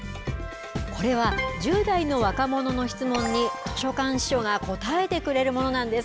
これは１０代の若者の質問に図書館司書が答えてくれるものなんです。